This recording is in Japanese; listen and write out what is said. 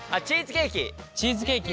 チーズケーキ。